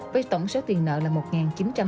với tổng số tiền nợ là một chín trăm sáu mươi sáu